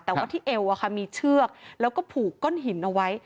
แต่ว่าที่เอวมีเชือกแล้วก็ผูกก้อนหินเอาไว้